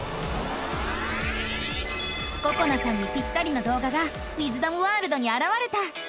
ここなさんにピッタリのどう画がウィズダムワールドにあらわれた！